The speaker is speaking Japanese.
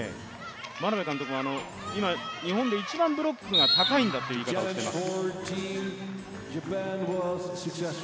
眞鍋監督も今日本で一番ブロックが高いんだという言い方をしています。